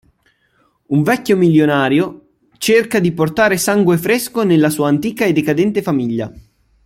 Un vecchio milionario cerca di portare sangue fresco nella sua antica e decadente famiglia.